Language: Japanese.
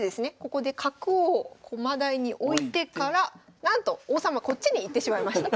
ここで角を駒台に置いてからなんと王様こっちに行ってしまいました。